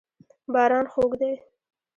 باران خوږ دی.